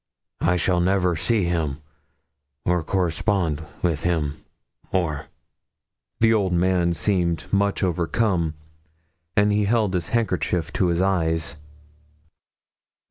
I shall never see him or correspond with him more.' The old man seemed much overcome, and held his hankerchief to his eyes.